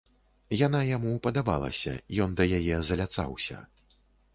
Яна яму падабалася, ён да яе заляцаўся.